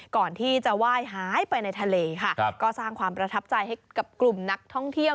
ก่อนที่จะไหว้หายไปในทะเลค่ะก็สร้างความประทับใจให้กับกลุ่มนักท่องเที่ยว